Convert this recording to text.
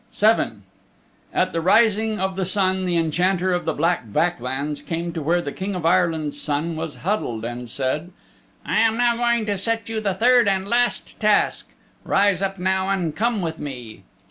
VII At the rising of the sun the Enchanter of the Black Back Lands came to where the King of Ireland's Son was huddled and said, "I am now going to set you the third and last task. Rise up now and come with me."